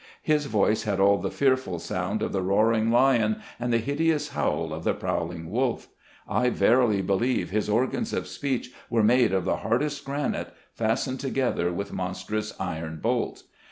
His voice had all the fearful sound of the roaring lion, and the hideous howl of the prowling wolf. I verily believe his organs of speech were made of the hardest granite, fastened together with mons trous iron bolts.